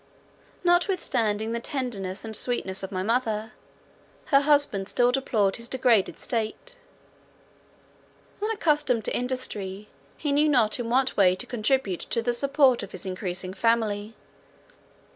Notwithstanding the tenderness and sweetness of my mother, her husband still deplored his degraded state. Unaccustomed to industry, he knew not in what way to contribute to the support of his increasing family.